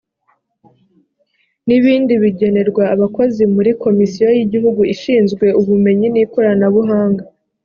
n ibindi bigenerwa abakozi muri komisiyo y igihugu ishinzwe ubumenyi n ikoranabuhanga